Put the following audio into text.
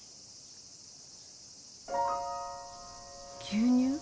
牛乳？